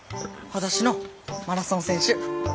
はだしのマラソン選手。